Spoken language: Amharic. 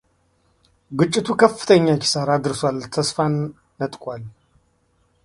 ግጭቱ ከፍተኛ ኪሳራ አድርሷል ተስፋን ነጥቋል።